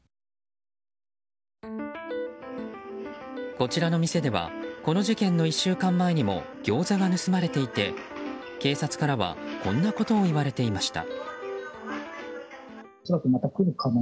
こちらの店ではこの事件の１週間前にもギョーザが盗まれていて警察からはこんなことを言われていました。